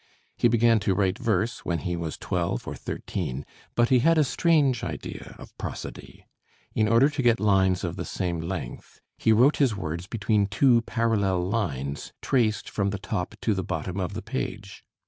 He began to write verse when he was twelve or thirteen, but he had a strange idea of prosody. In order to get lines of the same length he wrote his words between two parallel lines traced from the top to the bottom of the page.